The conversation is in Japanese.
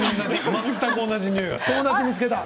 全く同じにおいがする。